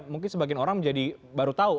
mungkin sebagian orang menjadi baru tahu